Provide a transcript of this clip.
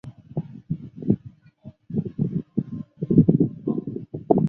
天主教卡罗尼宗座代牧区是委内瑞拉一个罗马天主教宗座代牧区。